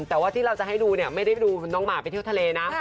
แต่ว่าที่เราจะให้ดูเนี่ยไม่ได้ดูน้องหมาไปเที่ยวทะเลนะ